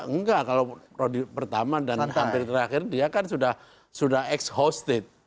enggak kalau ronde pertama dan hampir terakhir dia kan sudah sudah ex hosted